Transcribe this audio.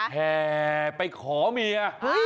แห่ไปขอเมีย